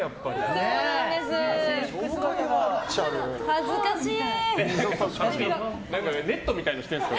恥ずかしい。